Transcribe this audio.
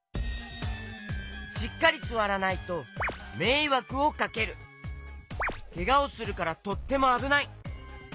しっかりすわらないとけがをするからとってもあぶない。